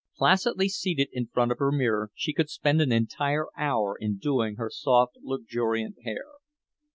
Placidly seated in front of her mirror she could spend an entire hour in doing her soft luxuriant hair.